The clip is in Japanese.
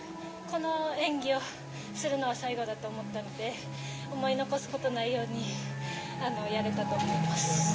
この演技をするのは最後だと思ったので思い残すことないようにやれたと思います。